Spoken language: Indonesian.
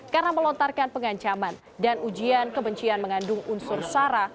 karena melontarkan pengancaman dan ujian kebencian mengandung unsur sara